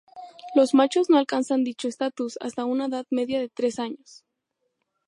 Los machos no alcanzan dicho estatus hasta una edad media de tres años.